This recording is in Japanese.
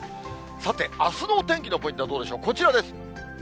さて、あすの天気のポイントはどうでしょう、こちらです。